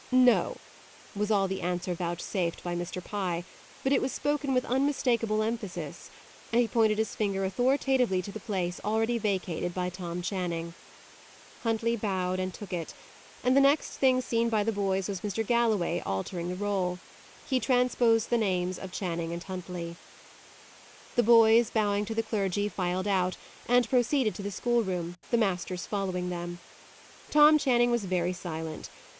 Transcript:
"No," was all the answer vouchsafed by Mr. Pye, but it was spoken with unmistakable emphasis, and he pointed his finger authoritatively to the place already vacated by Tom Channing. Huntley bowed, and took it; and the next thing seen by the boys was Mr. Galloway altering the roll. He transposed the names of Channing and Huntley. The boys, bowing to the clergy, filed out, and proceeded to the schoolroom, the masters following them. Tom Channing was very silent.